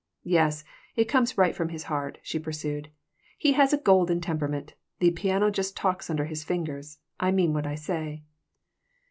"Yes, it comes right from his heart," she pursued. "He has a golden temperament. The piano just talks under his fingers. I mean what I say.